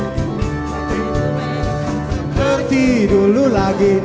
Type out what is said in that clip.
seperti dulu lagi